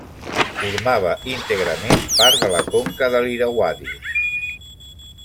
Formava íntegrament part de la conca de l'Irauadi.